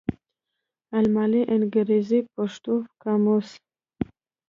الماني _انګرېزي_ پښتو قاموس